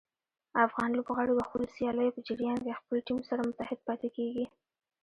افغان لوبغاړي د خپلو سیالیو په جریان کې خپل ټیم سره متحد پاتې کېږي.